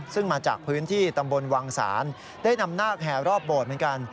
ซึ่งมาจากพื้นที่ตำบลวังศาลได้นำนาคแห่รอบโบสถ์เหมือนกัน